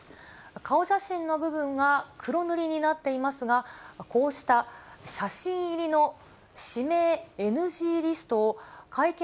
顔写真の部分が黒塗りになっていますが、こうした写真入りの指名ＮＧリストを会見